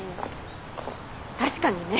確かにね。